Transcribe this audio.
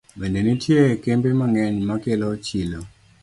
Bende nitie kembe mang'eny ma kelo chilo.